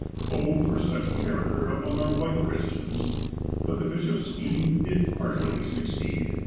Oh, for such character among our white Christians ! But the bishop's scheme did partially succeed.